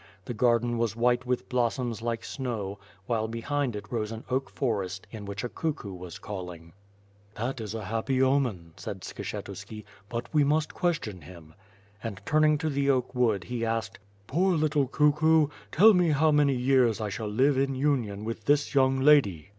The garden was white with blossoms like snow, while behind it rose an oak forest, in which a cuckoo was calling. lOo ^JTU FIRE AND SWORD. "That is a happy omen," said Skshetuski, "but we must question him. And turning to the oak wood, he asked: "Poor little cuckoo, tell me how many years I shall live in union with this young lady?"